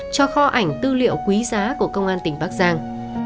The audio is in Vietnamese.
cho kho ảnh tư liệu quý giá của công an tỉnh bắc giang